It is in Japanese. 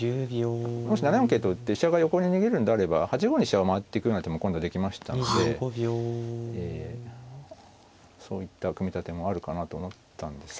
もし７四桂と打って飛車が横に逃げるんであれば８五に飛車を回ってくような手も今度できましたのでそういった組み立てもあるかなと思ったんですが。